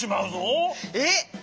えっ！？